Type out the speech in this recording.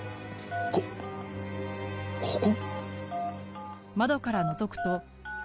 こここ？